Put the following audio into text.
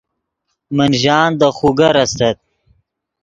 من ژان دے خوگر استت